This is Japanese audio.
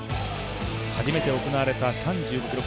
初めて行われた３５ｋｍ競歩。